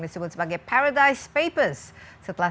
disebut sebagai paradise papers setelah